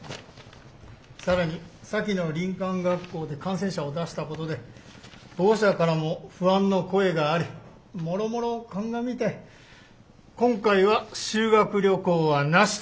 更に先の林間学校で感染者を出したことで保護者からも不安の声がありもろもろ鑑みて今回は修学旅行はなしと。